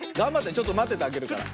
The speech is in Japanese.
ちょっとまっててあげるから。